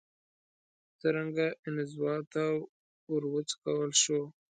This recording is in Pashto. څرنګه انزوا ته وروڅکول شو